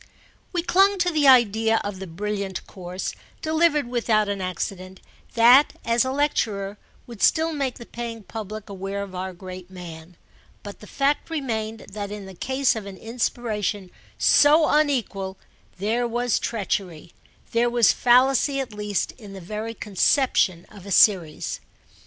We clung to the idea of the brilliant course, delivered without an accident, that, as a lecturer, would still make the paying public aware of our great man, but the fact remained that in the case of an inspiration so unequal there was treachery, there was fallacy at least, in the very conception of a series.